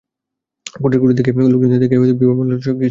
কুটিরগুলি দেখিয়া, লোকজনদের দেখিয়া বিভার মনে হইল সকলে কী সুখেই আছে।